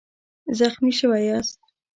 زخمي شوی یاست؟